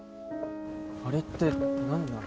あれって何なの？